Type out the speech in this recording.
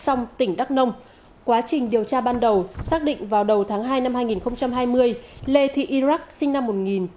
song tỉnh đắk nông quá trình điều tra ban đầu xác định vào đầu tháng hai năm hai nghìn hai mươi lê thị iraq sinh năm một nghìn chín trăm tám mươi